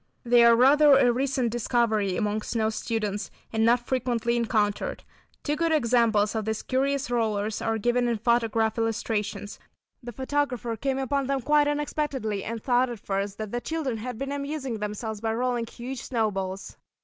They are rather a recent discovery among snow students, and not frequently encountered. Two good examples of these curious rollers are given in photograph illustrations. The photographer came upon them quite unexpectedly and thought at first that the children had been amusing themselves by rolling huge snowballs.